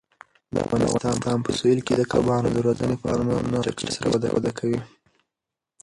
د افغانستان په سویل کې د کبانو روزنې فارمونه په چټکۍ سره وده کوي.